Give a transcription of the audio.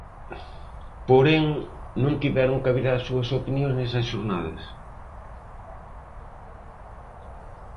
Porén, non tiveron cabida as súas opinións nesas xornadas.